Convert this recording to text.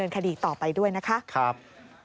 โดดลงรถหรือยังไงครับ